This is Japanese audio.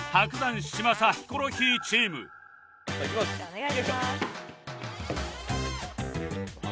お願いします。